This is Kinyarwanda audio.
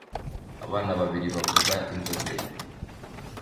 Abana babiri bavuza inzogera